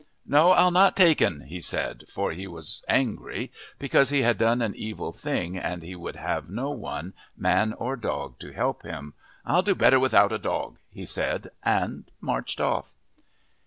"No, I'll not take'n," he said, for he was angry because he had done an evil thing and he would have no one, man or dog, to help him. "I'll do better without a dog," he said, and marched off.